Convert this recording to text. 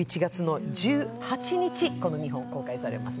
１１月２８日、この２本公開されます。